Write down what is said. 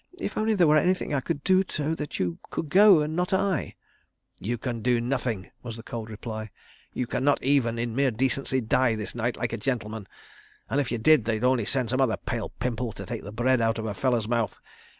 "If only there were anything I could do so that you could go, and not I—" "You can do nothing," was the cold reply. "You can not even, in mere decency, die this night like a gentleman. ... And if you did, they'd only send some other pale Pimple to take the bread out of a fellow's mouth.